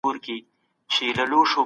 مرګ یو ابدي خلاصون دی.